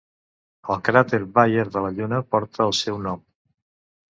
El cràter Bayer de la Lluna porta el seu nom.